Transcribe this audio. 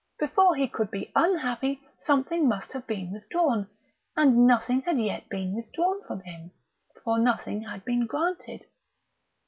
Before he could be unhappy something must have been withdrawn, and nothing had yet been withdrawn from him, for nothing had been granted.